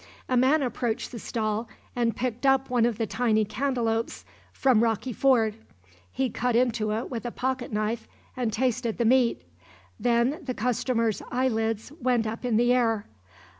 A man approached the stall and picked up one of the tiny cantaloupes from Rocky Ford. He cut into it with a pocket knife and tasted the meat. Then the customer's eye lids went up in the air.